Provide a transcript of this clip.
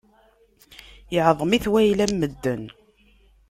Iɛḍem-it wayla n medden.